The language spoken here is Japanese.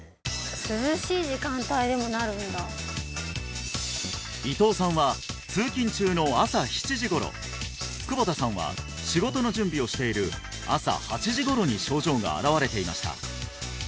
涼しい時間帯でもなるんだ伊藤さんは通勤中の朝７時頃窪田さんは仕事の準備をしている朝８時頃に症状が現れていました